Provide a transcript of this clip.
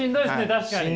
確かに！